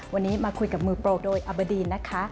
วันนี้มาคุยกับมือโปรโดยอบดีนนะคะ